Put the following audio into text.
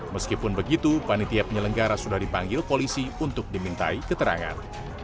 meskipun begitu panitia penyelenggara sudah dipanggil polisi untuk dimintai keterangan